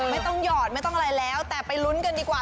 หยอดไม่ต้องอะไรแล้วแต่ไปลุ้นกันดีกว่า